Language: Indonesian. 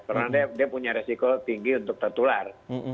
karena dia punya resiko tinggi untuk tertular